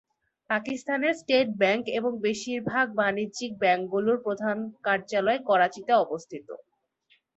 পাকিস্তানের state bank এবং বেশিরভাগ বাণিজ্যিক ব্যাংকগুলির প্রধান কার্যালয় করাচিতে অবস্থিত।